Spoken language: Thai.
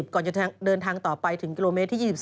ก่อนจะเดินทางต่อไปถึงกิโลเมตรที่๒๒